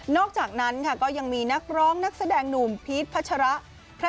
อกจากนั้นค่ะก็ยังมีนักร้องนักแสดงหนุ่มพีชพัชระ